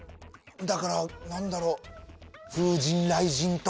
だから何だろう。